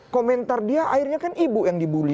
komentar dia akhirnya kan ibu yang dibully